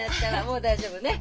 もう大丈夫ね。